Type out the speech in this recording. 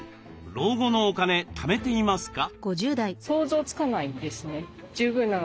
老後のお金ためていますか？